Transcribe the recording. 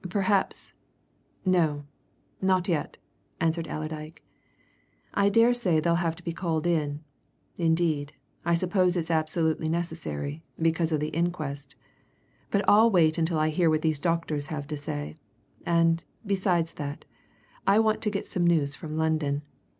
"Perhaps " "No not yet!" answered Allerdyke. "I daresay they'll have to be called in; indeed, I suppose it's absolutely necessary, because of the inquest, but I'll wait until I hear what these doctors have to say, and, besides that, I want to get some news from London.